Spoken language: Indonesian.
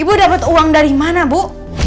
ibu dapat uang dari mana bu